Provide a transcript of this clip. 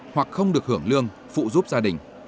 hoặc không được hưởng lương phụ giúp gia đình